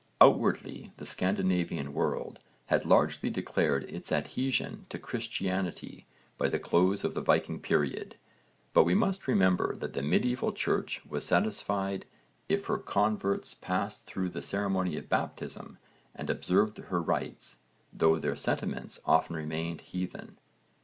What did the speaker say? Outwardly the Scandinavian world had largely declared its adhesion to Christianity by the close of the Viking period, but we must remember that the medieval Church was satisfied if her converts passed through the ceremony of baptism and observed her rites, though their sentiments often remained heathen.